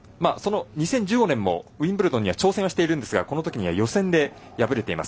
２０１５年もウィンブルドンに挑戦はしているんですがこのときは予選で敗れています。